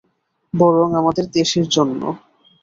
বরং আমাদের দেশের জন্য।